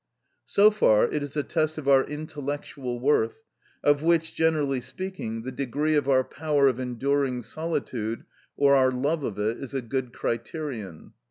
So far it is a test of our intellectual worth, of which, generally speaking, the degree of our power of enduring solitude, or our love of it, is a good criterion.